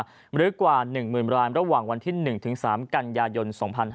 หรือกว่า๑๐๐๐รายระหว่างวันที่๑๓กันยายน๒๕๕๙